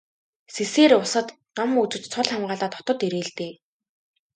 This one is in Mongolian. Сэсээр улсад ном үзэж цол хамгаалаад хотод ирээ л дээ.